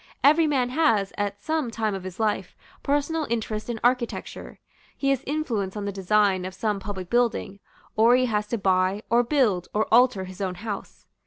Every man has, at some time of his life, personal interest in architecture. He has influence on the design of some public building; or he has to buy, or build, or alter his own house.